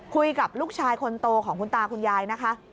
คุยกับลูกชายคนโตของคุณตาคุณยายนะคะ